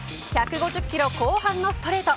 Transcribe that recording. １５０キロ後半のストレート。